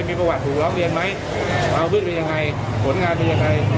มีประวัติถูกร้องเรียนไหมเอาเพื่อนไปยังไงผลงานเป็นยังไง